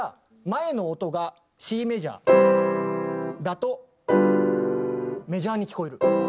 前の音がＣメジャーだとメジャーに聞こえる。